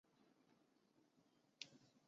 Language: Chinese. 袁侃早卒。